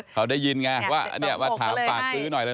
เขาได้ยินไงว่าถามฝากซื้อหน่อย